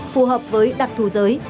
phù hợp với đặc thù giới